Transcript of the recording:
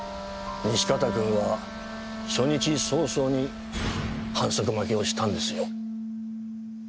西片君は初日早々に反則負けをしたんですよ。